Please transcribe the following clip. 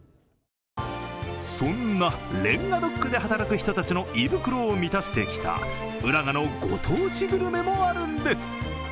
そんなレンガドックで働く人たちの胃袋を満たしてきた浦賀のご当地グルメもあるんです。